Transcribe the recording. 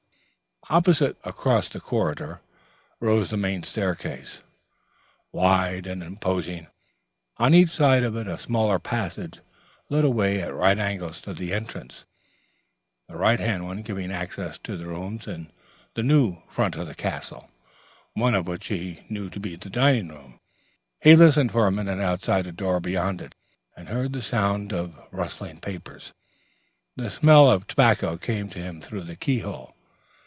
Opposite, across the corridor, rose the main staircase, wide and imposing; on each side of it a smaller passage led away at right angles to the entrance, the right hand one giving access to rooms in the new front of the castle, one of which he knew to be the dining room. He listened for a minute outside a door beyond it, and heard the sound of rustling papers; the smell of tobacco came to him through the key hole.